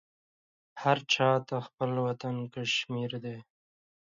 هر چاته خپل وطن کشمير دى.